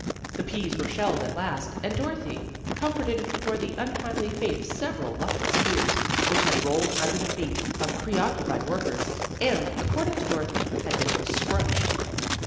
The peas were shelled at last, and Dorothy comforted for the untimely fate of several luckless spheres which had rolled under the feet of preoccupied workers, and, according to Dorothy, had been "scrunched."